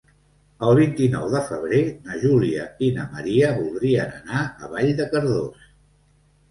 El vint-i-nou de febrer na Júlia i na Maria voldrien anar a Vall de Cardós.